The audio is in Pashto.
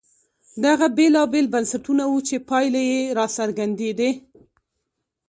دغه بېلابېل بنسټونه وو چې پایلې یې راڅرګندېدې.